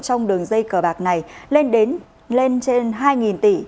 trong đường dây cờ bạc này lên trên hai